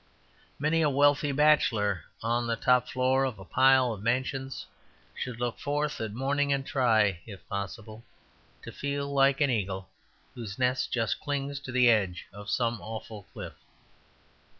Many a wealthy bachelor on the top floor of a pile of mansions should look forth at morning and try (if possible) to feel like an eagle whose nest just clings to the edge of some awful cliff.